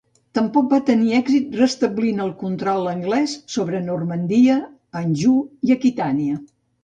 Tampoc va tenir èxit restablint el control anglès sobre Normandia, Anjou i Aquitània.